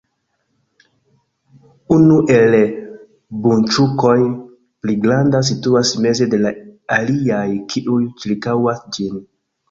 Unu el bunĉukoj, pli granda, situas meze de la aliaj, kiuj ĉirkaŭas ĝin.